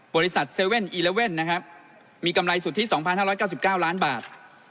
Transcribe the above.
บริษัท๗๑๑นะครับมีกำไรสุทธิ๒๕๙๙ล้านบาท